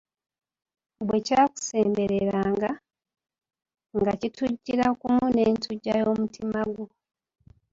Bwe kyakusembereranga nga kittujira kumu n’entujja y’omutima gwo.